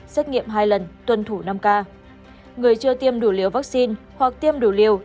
xét nghiệm hai lần tuân thủ năm k người chưa tiêm đủ liều vaccine hoặc tiêm đủ liều